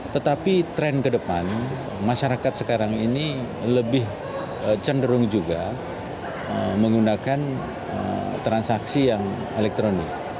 tetapi tren ke depan masyarakat sekarang ini lebih cenderung juga menggunakan transaksi yang elektronik